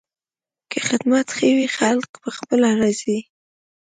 که خدمت ښه وي، خلک پخپله راځي.